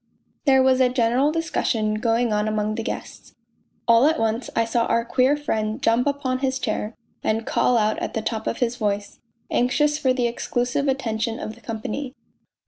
There was a general discussion going on among the guests All at once I saw our queer friend jump upon his chair, and call out at the top of his voice, anxious for the exclusive attention of the company.